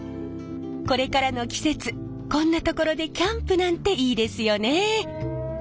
これからの季節こんな所でキャンプなんていいですよね。